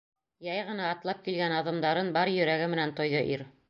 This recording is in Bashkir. Яй ғына атлап килгән аҙымдарын бар йөрәге менән тойҙо ир.